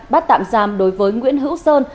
bắt tạm giam đối với nguyễn hữu sơn